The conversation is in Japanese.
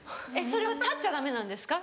それは立っちゃダメなんですか？